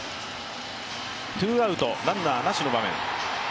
ツーアウト、ランナーなしの場面。